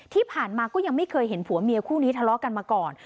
ที่ผ่านมาก็ยังไม่เคยเห็นผัวเมียคู่นี้ทะเลาะกันมาก่อน